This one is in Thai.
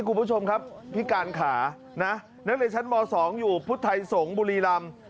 คุณผู้ชมครับพิการขานะนักเรียนชั้นม๒อยู่พุทธไทยสงศ์บุรีรำ